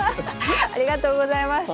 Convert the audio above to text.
ありがとうございます。